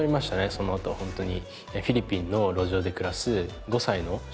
そのあとホントに。